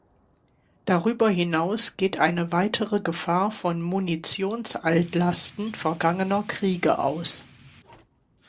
Darüber hinaus geht eine weitere Gefahr von Munitionsaltlasten vergangener Kriege aus.